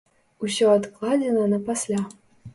Усё адкладзена на пасля.